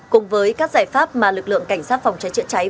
cùng với các giải pháp mà lực lượng cảnh sát phòng cháy chữa cháy